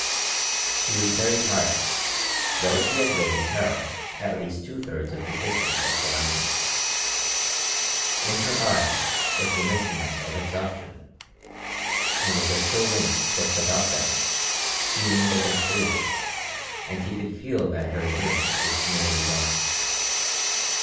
She was very tired, though she had ridden Tara at least two thirds of the distance up the mountains. In her eyes was the mistiness of exhaustion, and as a chill wind swept about them she leaned against David, and he could feel that her endurance was nearly gone.